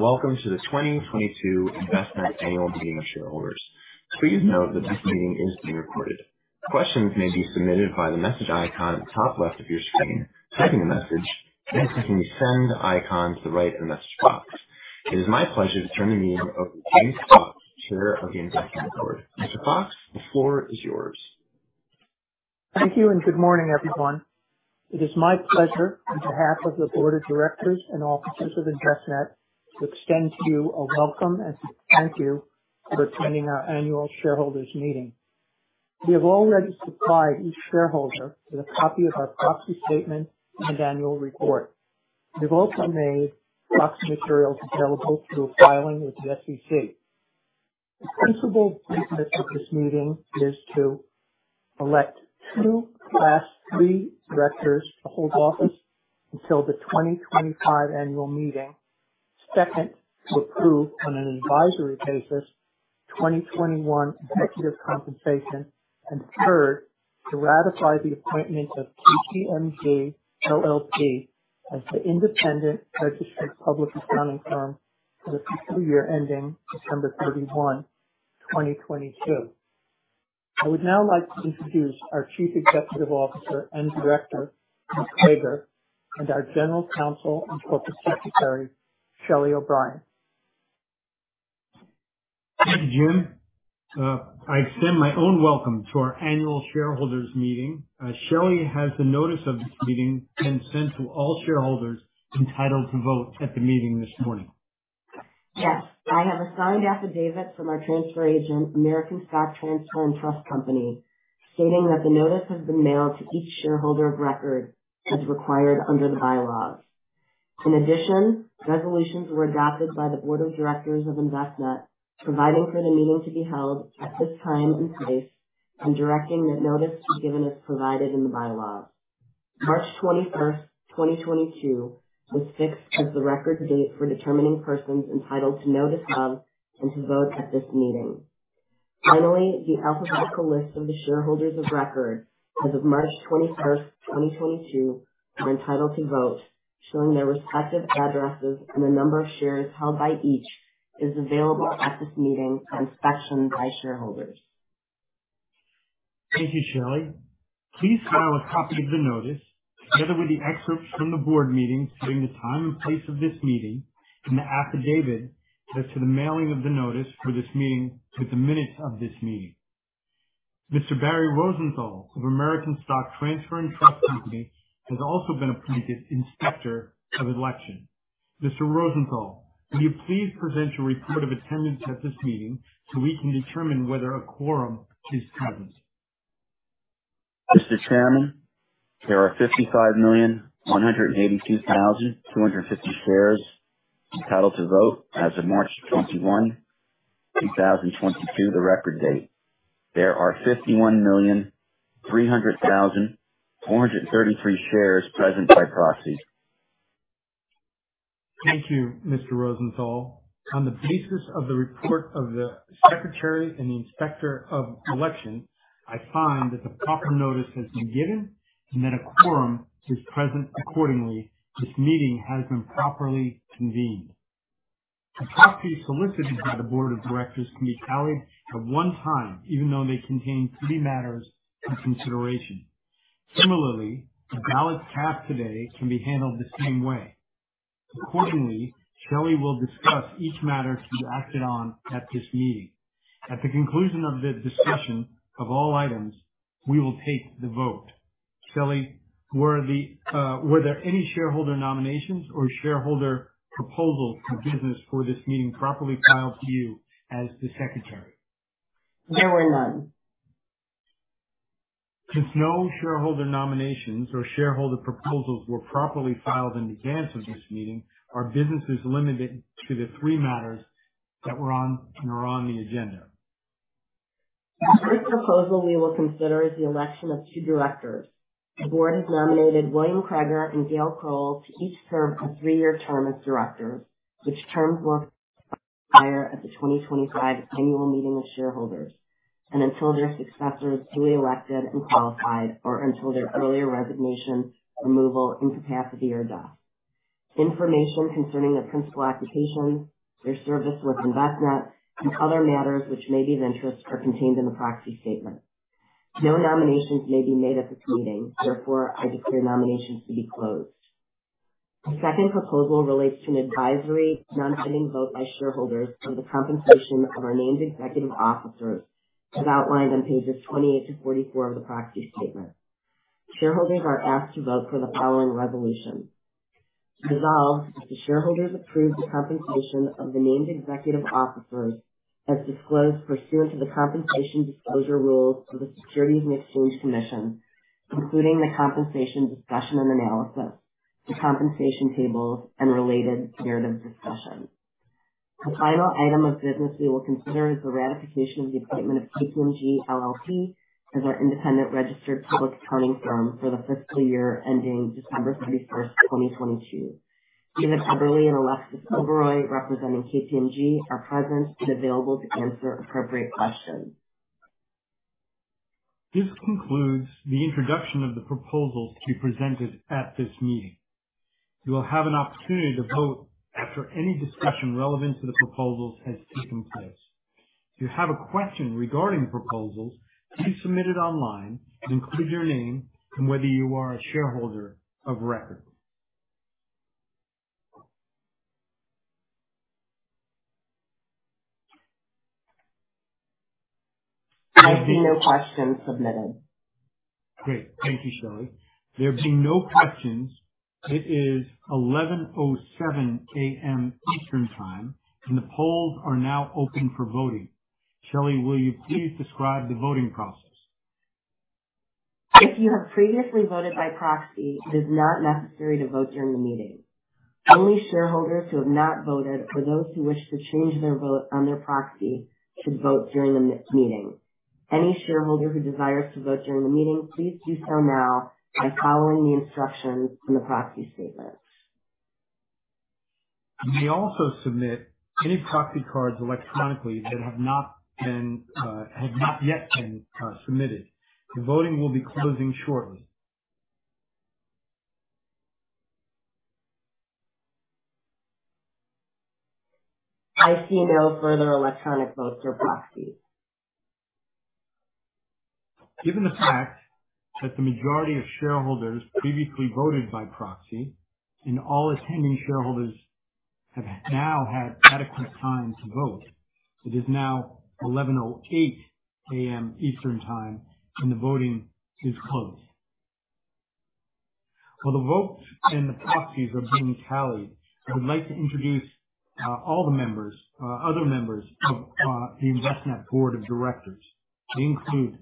Hello and welcome to the 2022 Envestnet Annual Meeting of Shareholders. Please note that this meeting is being recorded. Questions may be submitted via the message icon at the top left of your screen. Type in the message, then clicking the send icon to the right of the message box. It is my pleasure to turn the meeting over to James Fox, Chair of the Board. Mr. Fox, the floor is yours. Thank you and good morning, everyone. It is my pleasure, on behalf of the board of directors and officers of Envestnet, to extend to you a welcome and thank you for attending our annual shareholders meeting. We have already supplied each shareholder with a copy of our proxy statement and annual report. We have also made proxy materials available through a filing with the SEC. The principal business of this meeting is to elect two class three directors to hold office until the 2025 annual meeting. Second, to approve on an advisory basis 2021 executive compensation. Third, to ratify the appointment of KPMG LLP as the independent registered public accounting firm for the fiscal year ending December 31, 2022. I would now like to introduce our Chief Executive Officer and Director, Bill Crager, and our General Counsel and Corporate Secretary, Shelly O'Brien. Thank you, Jim. I extend my own welcome to our annual shareholders meeting. Shelly, has the notice of this meeting been sent to all shareholders entitled to vote at the meeting this morning? Yes. I have a signed affidavit from our transfer agent, American Stock Transfer & Trust Company, stating that the notice has been mailed to each shareholder of record as required under the bylaws. In addition, resolutions were adopted by the Board of Directors of Envestnet, providing for the meeting to be held at this time and place, and directing that notice be given as provided in the bylaws. March 21st, 2022, was fixed as the record date for determining persons entitled to notice of and to vote at this meeting. Finally, the alphabetical list of the shareholders of record as of March 21st, 2022, are entitled to vote, showing their respective addresses and the number of shares held by each is available at this meeting for inspection by shareholders. Thank you, Shelly. Please file a copy of the notice, together with the excerpts from the board meeting stating the time and place of this meeting, and the affidavit as to the mailing of the notice for this meeting with the minutes of this meeting. Mr. Barry Rosenthal of American Stock Transfer & Trust Company has also been appointed Inspector of Election. Mr. Rosenthal, will you please present your report of attendance at this meeting so we can determine whether a quorum is present. Mr. Chairman, there are 55,182,250 shares entitled to vote as of March 21, 2022, the record date. There are 51,300,433 shares present by proxy. Thank you, Mr. Rosenthal. On the basis of the report of the Secretary and the Inspector of Election, I find that the proper notice has been given and that a quorum is present. Accordingly, this meeting has been properly convened. The proxy solicited by the board of directors can be tallied at one time, even though they contain three matters for consideration. Similarly, the ballots cast today can be handled the same way. Accordingly, Shelly will discuss each matter to be acted on at this meeting. At the conclusion of the discussion of all items, we will take the vote. Shelly, were there any shareholder nominations or shareholder proposals for business for this meeting properly filed to you as the secretary? There were none. Since no shareholder nominations or shareholder proposals were properly filed in advance of this meeting, our business is limited to the three matters that are on the agenda. The first proposal we will consider is the election of two directors. The Board has nominated Bill Crager and Gayle Crowell to each serve a three-year term as directors, which terms will expire at the 2025 annual meeting of shareholders, and until their successors to be elected and qualified, or until their earlier resignation, removal, incapacity, or death. Information concerning the principal occupations, their service with Envestnet, and other matters which may be of interest are contained in the proxy statement. No nominations may be made at this meeting. Therefore, I declare nominations to be closed. The second proposal relates to an advisory non-binding vote by shareholders on the compensation of our named executive officers, as outlined on pages 28 to 44 of the proxy statement. Shareholders are asked to vote for the following resolution. Resolved, that the shareholders approve the compensation of the named executive officers as disclosed pursuant to the compensation disclosure rules of the Securities and Exchange Commission, including the compensation discussion and analysis, the compensation tables, and related narrative discussions. The final item of business we will consider is the ratification of the appointment of KPMG LLP as our independent registered public accounting firm for the fiscal year ending December 31st, 2022. Steven Eberly and Alexis Oberoi representing KPMG are present and available to answer appropriate questions. This concludes the introduction of the proposals to be presented at this meeting. You will have an opportunity to vote after any discussion relevant to the proposals has taken place. If you have a question regarding the proposals, please submit it online and include your name and whether you are a shareholder of record. There have been no questions submitted. Great. Thank you, Shelly. There being no questions, it is 11:07 A.M. Eastern time, and the polls are now open for voting. Shelly, will you please describe the voting process? If you have previously voted by proxy, it is not necessary to vote during the meeting. Only shareholders who have not voted, or those who wish to change their vote on their proxy, should vote during the meeting. Any shareholder who desires to vote during the meeting, please do so now by following the instructions in the proxy statement. You may also submit any proxy cards electronically that have not yet been submitted. The voting will be closing shortly. I see no further electronic votes or proxies. Given the fact that the majority of shareholders previously voted by proxy and all attending shareholders have now had adequate time to vote, it is now 11:08 A.M. Eastern time, and the voting is closed. While the votes and the proxies are being tallied, I would like to introduce all the other members of the Envestnet board of directors. They include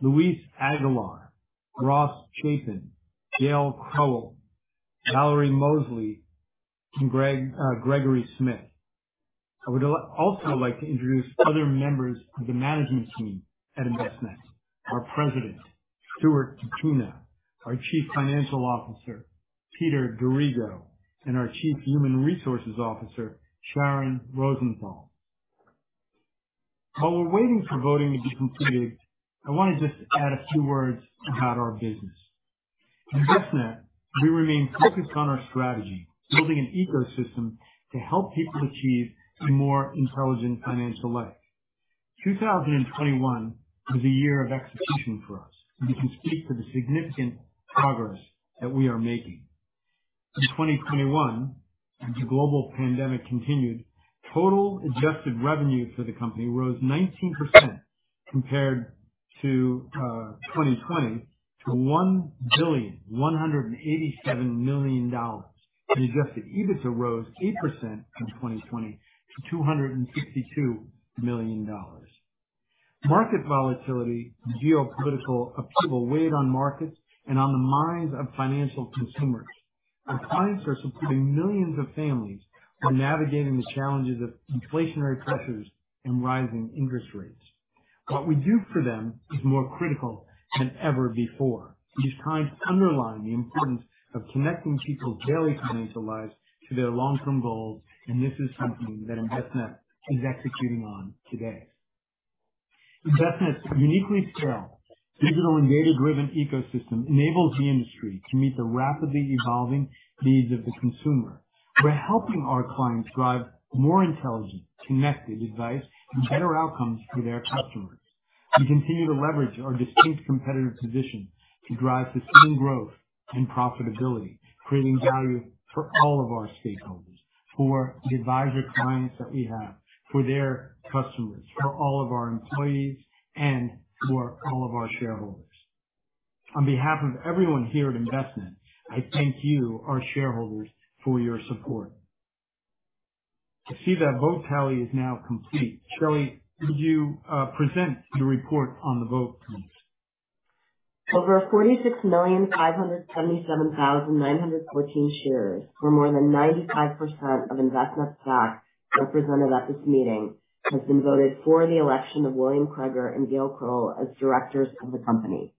Luis Aguilar, Ross Chapin, Gayle Crowell, Valerie Mosley, and Gregory Smith. I would also like to introduce other members of the management team at Envestnet. Our president, Stuart DePina, our chief financial officer, Peter D'Arrigo, and our chief human resources officer, Sharon Rosenthal. While we're waiting for voting to be completed, I wanna just add a few words about our business. At Envestnet, we remain focused on our strategy, building an ecosystem to help people achieve a more intelligent financial life. 2021 was a year of execution for us, and we can speak for the significant progress that we are making. In 2021, as the global pandemic continued, total adjusted revenue for the company rose 19% compared to 2020 to $1.187 billion. Adjusted EBITDA rose 8% from 2020 to $262 million. Market volatility and geopolitical upheaval weighed on markets and on the minds of financial consumers. Our clients are supporting millions of families while navigating the challenges of inflationary pressures and rising interest rates. What we do for them is more critical than ever before. These times underline the importance of connecting people's daily financial lives to their long-term goals, and this is something that Envestnet is executing on today. Envestnet's uniquely scaled digital and data-driven ecosystem enables the industry to meet the rapidly evolving needs of the consumer. We're helping our clients drive more intelligent, connected advice and better outcomes for their customers. We continue to leverage our distinct competitive position to drive sustained growth and profitability, creating value for all of our stakeholders, for the advisor clients that we have, for their customers, for all of our employees, and for all of our shareholders. On behalf of everyone here at Envestnet, I thank you, our shareholders, for your support. I see that vote tally is now complete. Shelly, could you present the report on the vote, please? Over 46,577,914 shares, or more than 95% of Envestnet's stock represented at this meeting, has been voted for the election of Bill Crager and Gayle Crowell as directors of the company.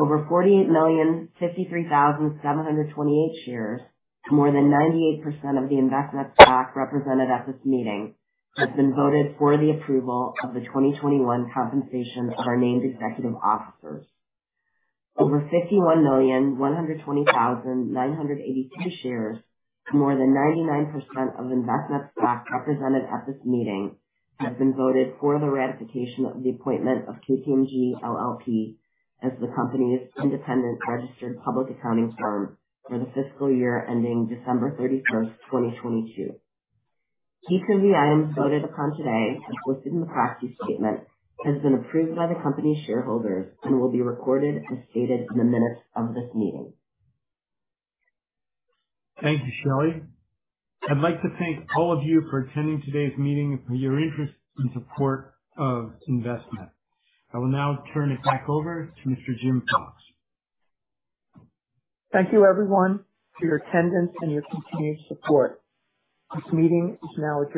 Over 48,053,728 shares, more than 98% of the Envestnet stock represented at this meeting, has been voted for the approval of the 2021 compensation of our named executive officers. Over 51,120,982 shares, more than 99% of Envestnet's stock represented at this meeting, has been voted for the ratification of the appointment of KPMG LLP as the company's independent registered public accounting firm for the fiscal year ending December 31st, 2022. Each of the items voted upon today, as listed in the proxy statement, has been approved by the company's shareholders and will be recorded as stated in the minutes of this meeting. Thank you, Shelly. I'd like to thank all of you for attending today's meeting and for your interest and support of Envestnet. I will now turn it back over to Mr. Jim Fox. Thank you everyone for your attendance and your continued support. This meeting is now adjourned.